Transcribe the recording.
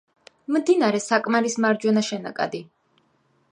მდინარე საკმარის მარჯვენა შენაკადი.